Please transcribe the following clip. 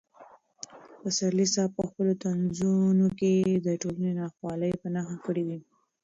پسرلي صاحب په خپلو طنزونو کې د ټولنې ناخوالې په نښه کړې دي.